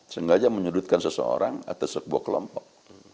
sengaja menyudutkan seseorang atau sebuah kelompok